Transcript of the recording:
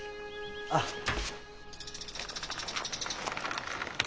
あっ。